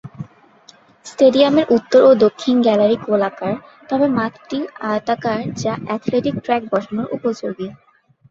স্টেডিয়ামের উত্তর ও দক্ষিণ গ্যালারি গোলাকার, তবে মাঠটি আয়তাকার যা অ্যাথলেটিক ট্র্যাক বসানোর উপযোগী।